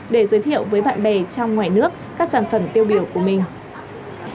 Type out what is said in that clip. để giới thiệu với bạn bè trong ngoài nước các sản phẩm tiêu biểu của mình